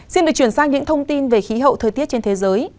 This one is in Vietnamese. xin được chuyển sang những thông tin về khí hậu thời tiết trên thế giới